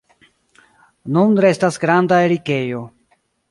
Nun restas granda erikejo.